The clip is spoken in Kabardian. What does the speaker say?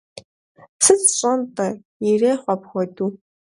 Сыт сщӀэн-тӀэ, ирехъу апхуэдэу.